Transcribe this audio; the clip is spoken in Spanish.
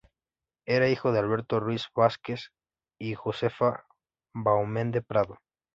Era hijo de Alberto Ruiz Vásquez y Josefa Bahamonde Prado.